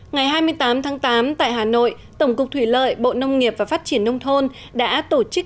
ngày hai mươi tám tháng tám tại hà nội tổng cục thủy lợi bộ nông nghiệp và phát triển nông thôn đã tổ chức